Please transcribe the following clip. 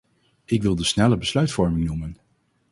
Ik wil de snelle besluitvorming noemen.